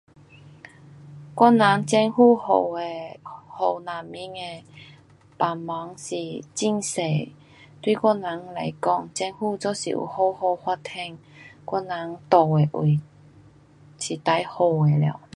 我人政府给的，给人民的帮忙是很多，对我人来讲，政府若是有好好发展，我人住的位是最好的了。